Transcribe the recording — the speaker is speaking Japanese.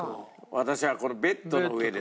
私はこのベッドの上ですね。